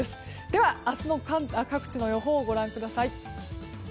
明日の各地の予報をご覧ください。